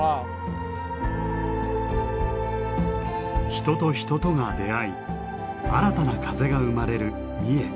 人と人とが出会い新たな風が生まれる三重。